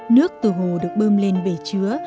nước từ hồ được bơm lên về chứa